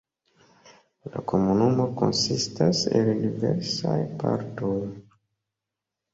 La komunumo konsistas el diversaj partoj.